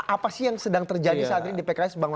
apa sih yang sedang terjadi saat ini di pks bang